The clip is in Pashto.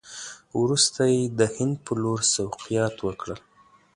وروسته یې د هند په لوري سوقیات وکړل.